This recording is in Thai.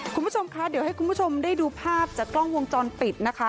คุณผู้ชมคะเดี๋ยวให้คุณผู้ชมได้ดูภาพจากกล้องวงจรปิดนะคะ